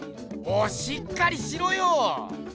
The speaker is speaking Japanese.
もうしっかりしろよ！